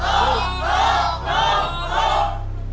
ถูกฆ่าแรก